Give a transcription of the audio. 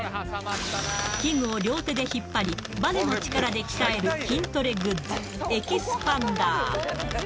器具を両手で引っ張り、ばねの力で鍛える筋トレグッズ、エキスパンダー。